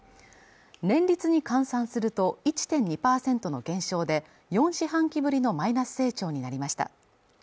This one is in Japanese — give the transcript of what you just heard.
年率に換算すると１．２％の減少で４四半期ぶりのマイナス成長になりました